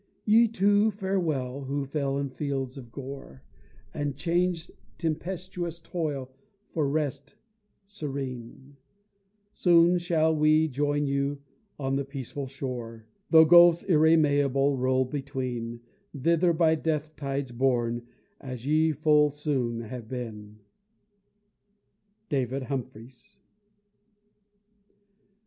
Ye, too, farewell, who fell in fields of gore, And chang'd tempestuous toil for rest serene; Soon shall we join you on the peaceful shore (Though gulfs irremeable roll between), Thither by death tides borne, as ye full soon have been. DAVID HUMPHREYS.